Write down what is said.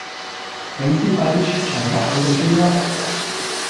美斯快啲出場屈佢地機啦